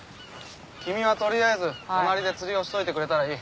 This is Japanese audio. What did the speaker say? キミはとりあえず隣で釣りをしといてくれたらいい。